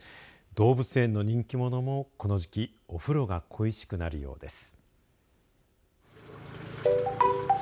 動物園の人気者もこの時期お風呂が恋しくなるようです。